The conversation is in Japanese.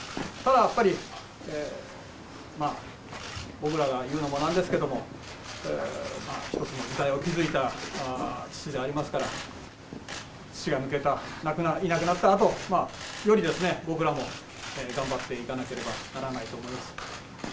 ただやっぱり、僕らが言うのもなんですけれども、一つの時代を築いた人でありますから、父が抜けた、いなくなったあと、より僕らも頑張っていかなければならないと思います。